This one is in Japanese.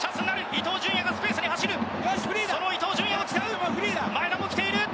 伊東純也がスペースに走るその伊東純也を使う前田も来ている。